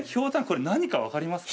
これ何か分かりますか？